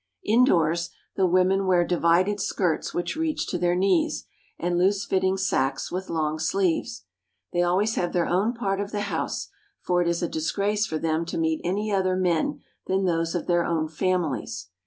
Indoors, the women wear divided skirts which reach to their knees and loose fitting sacks with long sleeves. They always have their own part of the house, for it is a disgrace for them to meet any other men than those of their own famiHes.